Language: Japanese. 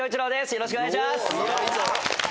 よろしくお願いします。